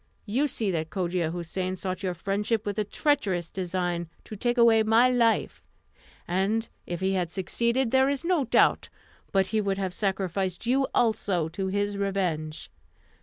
You see that Cogia Houssain sought your friendship with a treacherous design to take away my life; and if he had succeeded, there is no doubt but he would have sacrificed you also to his revenge.